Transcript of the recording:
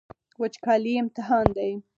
وچکالي امتحان دی.